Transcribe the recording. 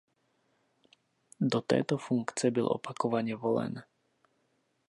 Do této funkce byl opakovaně volen.